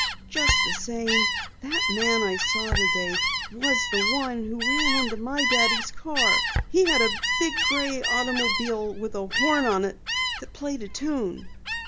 "Just the same, that man I saw today was the one who ran into my Daddy's car. He had a big, gray automobile with a horn on it that played a tune."